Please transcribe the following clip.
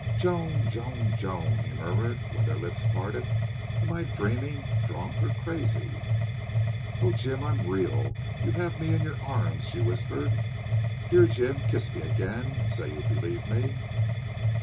"Joan!... Joan!... Joan!" he murmured when their lips parted. "Am I dreaming drunk or crazy?" "Oh, Jim, I'm real you have me in your arms," she whispered. "Dear Jim kiss me again and say you believe me."